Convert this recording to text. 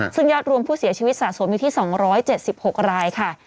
ซึ่งยอดรวมผู้เสียชีวิตสะสมอยู่ที่๒๗๖รายค่ะ